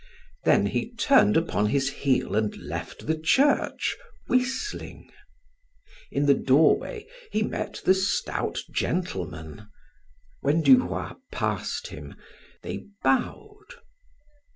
Then he turned upon his heel and left the church whistling. In the doorway he met the stout gentleman. When Du Roy passed him, they bowed.